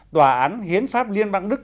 tòa án hiến pháp liên bang đức